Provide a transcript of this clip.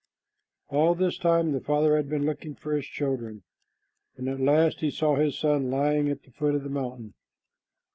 All this time the father had been looking for his children, and at last he saw his son lying at the foot of the mountain.